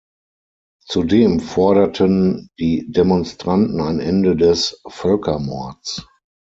Zudem forderten die Demonstranten ein Ende des „Völkermords“.